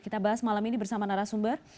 kita bahas malam ini bersama narasumber